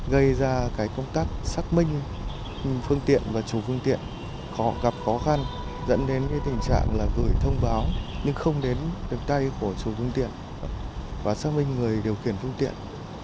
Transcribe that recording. gây ra công tác xác minh phương tiện và chủ phương tiện gặp khó khăn dẫn đến tình trạng là gửi thông báo nhưng không đến được tay của chủ phương tiện và xác minh người điều khiển phương tiện